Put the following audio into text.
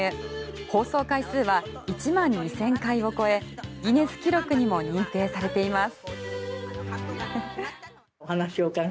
放送回数は１万２０００回を超えギネス記録にも認定されています。